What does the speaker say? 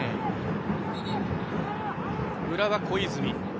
浦和、小泉。